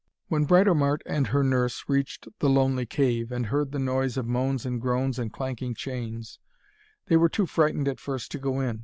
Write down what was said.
When Britomart and her nurse reached the lonely cave, and heard the noise of moans and groans and clanking chains, they were too frightened at first to go in.